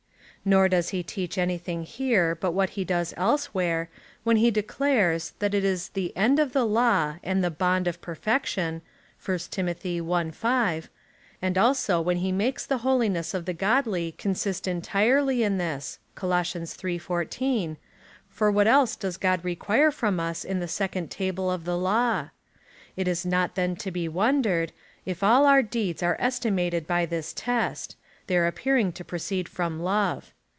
419 does he teach anything here but what he does elsewhere, when he declares, that it is the end of the law, and the boiid of perfection, (1 Tim. i. 5,) and also when he makes the holiness of the godly consist entirely in this, (Col. iii. 14,) — for what else does God require from us in the second Table of the Law ? It is not then to be wondered, if all our deeds are estimated by this test — their appearing to proceed from love.